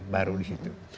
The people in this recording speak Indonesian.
baru di situ